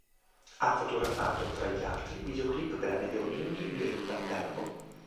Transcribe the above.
Ha fotografato, tra gli altri, videoclip per Amedeo Minghi, Mietta, Garbo.